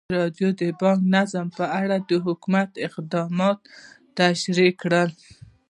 ازادي راډیو د بانکي نظام په اړه د حکومت اقدامات تشریح کړي.